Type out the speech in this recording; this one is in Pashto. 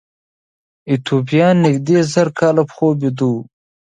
ایتوپیایان نږدې زر کاله په خوب ویده وو.